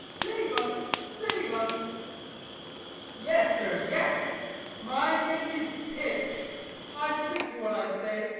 "Save us, save us!" "Yes, sir, yes. My name is Pitch; I stick to what I say.